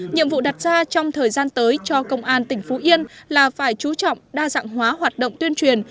nhiệm vụ đặt ra trong thời gian tới cho công an tỉnh phú yên là phải chú trọng đa dạng hóa hoạt động tuyên truyền